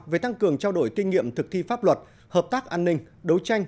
về tăng cường trao đổi kinh nghiệm thực thi pháp luật hợp tác an ninh đấu tranh